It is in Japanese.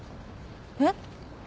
えっ？